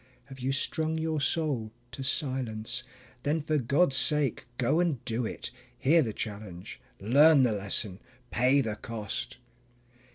Have you strung your soul to silence? Then for God's sake go and do it; Hear the challenge, learn the lesson, pay the cost.